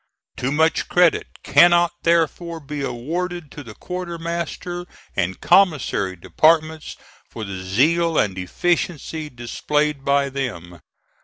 Too much credit cannot, therefore, be awarded to the quartermaster and commissary departments for the zeal and efficiency displayed by them.